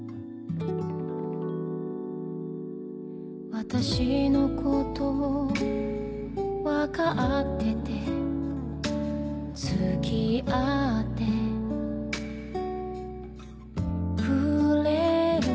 「私のことをわかってて」「付き合ってくれる」